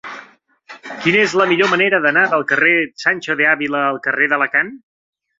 Quina és la millor manera d'anar del carrer de Sancho de Ávila al carrer d'Alacant?